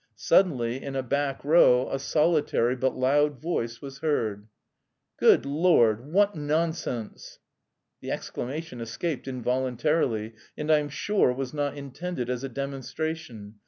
Suddenly in a back row a solitary but loud voice was heard: "Good Lord, what nonsense!" The exclamation escaped involuntarily, and I am sure was not intended as a demonstration.